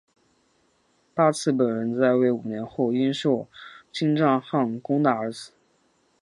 八剌本人在位五年后因受金帐汗攻打而死。